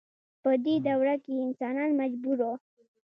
په دې دوره کې انسانان مجبور وو.